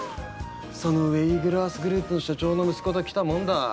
その上イーグルアースグループの社長の息子ときたもんだ。